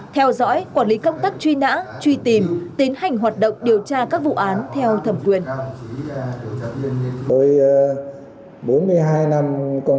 theo dõi quản lý công tác truy nã truy tìm tiến hành hoạt động điều tra các vụ án theo thẩm quyền